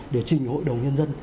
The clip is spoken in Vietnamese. để trình hội đồng nhân dân